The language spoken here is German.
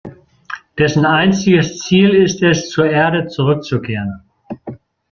Dessen einziges Ziel ist es, zur Erde zurückzukehren.